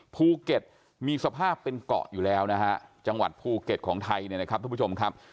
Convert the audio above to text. ภูเก็ตมีสภาพเป็นเกาะอยู่แล้วนะฮะจังหวัดภูเก็ตของไทยเนี่ยนะครับทุกผู้ชมครับ